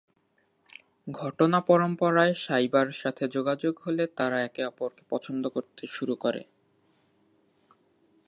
ঘটনা পরম্পরায় সাইবার সাথে যোগাযোগ হলে তারা একে অপরকে পছন্দ করতে শুরু করে।